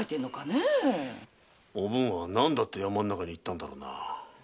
⁉おぶんは何だって山の中に行ったんだろうな。